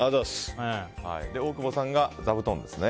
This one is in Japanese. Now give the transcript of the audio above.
大久保さんが座布団ですね。